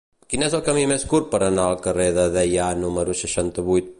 Quin és el camí més curt per anar al carrer de Deià número seixanta-vuit?